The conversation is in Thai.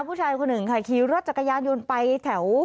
ผู้ชายคนหนึ่งค่ะขี่รถจักรยานยนต์ไปแถว